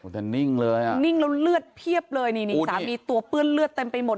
แต่นิ่งเลยอ่ะนิ่งแล้วเลือดเพียบเลยนี่นี่สามีตัวเปื้อนเลือดเต็มไปหมด